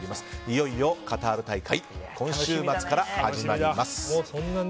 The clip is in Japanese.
いよいよカタール大会今週末から始まります。